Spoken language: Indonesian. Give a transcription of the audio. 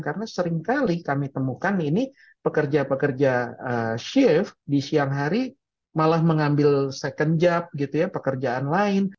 karena seringkali kami temukan ini pekerja pekerja shift di siang hari malah mengambil second job pekerjaan lain